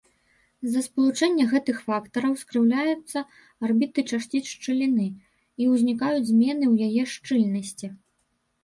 З-за спалучэння гэтых фактараў скрыўляюцца арбіты часціц шчыліны і ўзнікаюць змены ў яе шчыльнасці.